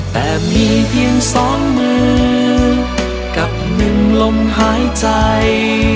แต่มีเพียงสองมือกับหนึ่งลมหายใจ